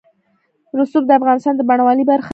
رسوب د افغانستان د بڼوالۍ برخه ده.